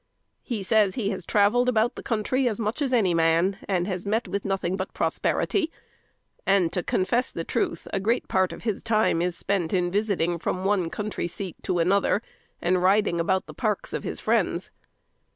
He says he has travelled about the country as much as any man, and has met with nothing but prosperity; and to confess the truth, a great part of his time is spent in visiting from one country seat to another, and riding about the parks of his friends.